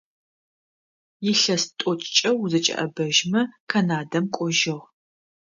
Илъэс тIокIкIэ узэкIэIэбэжьмэ Канадэм кIожьыгъ.